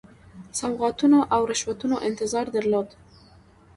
سوغاتونو او رشوتونو انتظار درلود.